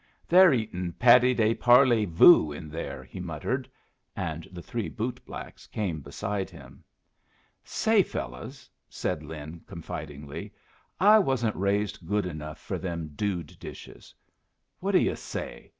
"They're eatin' patty de parley voo in there," he muttered, and the three bootblacks came beside him. "Say, fellows," said Lin, confidingly, "I wasn't raised good enough for them dude dishes. What do yu' say!